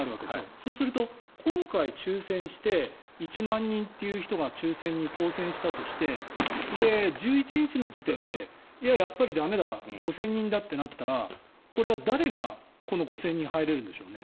そうすると今回、抽選して１万人という人が抽選に当選したとして１１日の時点でやっぱり駄目だ５０００人だってなったらこれは誰がこの５０００人が入れるんでしょうね。